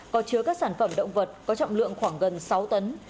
có chứa các sản phẩm động vật có trọng lượng khoảng gần sáu tấn